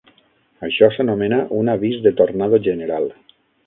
Això s'anomena un avís de tornado general.